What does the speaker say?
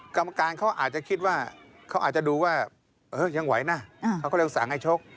กรรมการเขาอาจจะคิดว่าเขาอาจจะดูว่ายังไหวนะเขาก็เลยสั่งให้ชก